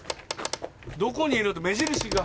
「どこにいる」って目印が。